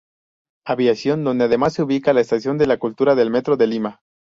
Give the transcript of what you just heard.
Aviación, donde además se ubica la Estación la Cultura del Metro de Lima.